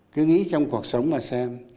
cứ nghĩ trong cuộc sống mà xem